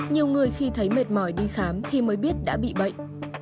nhiều người khi thấy mệt mỏi đi khám thì mới biết đã bị bệnh